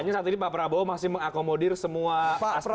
hanya saat ini pak prabowo masih mengakomodir semua aspek